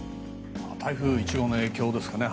台風１号の影響ですかね